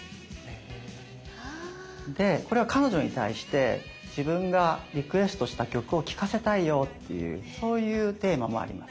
でこれは彼女に対して自分がリクエストした曲を聞かせたいよっていうそういうテーマもあります。